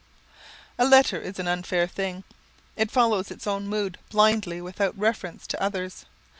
A letter is an unfair thing. It follows its own mood blindly without reference to others.